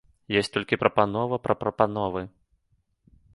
Ёсць толькі прапанова пра прапановы.